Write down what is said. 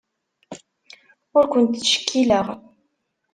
Ur kent-ttcekkileɣ.